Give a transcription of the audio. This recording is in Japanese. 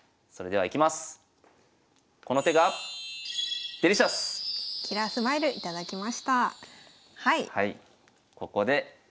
はい。